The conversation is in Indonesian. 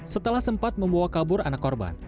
setelah sempat membawa kabur anak korban